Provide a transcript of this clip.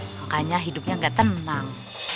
makanya hidupnya gak tenang